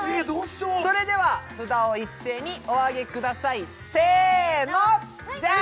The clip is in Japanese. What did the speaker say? それでは札を一斉にお上げくださいせーのじゃん！